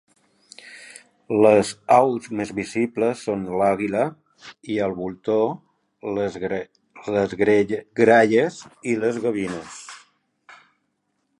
Les aus més visibles són l'àliga i el voltor, les gralles i les gavines.